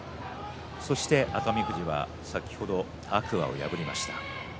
熱海富士は先ほど天空海を破りました。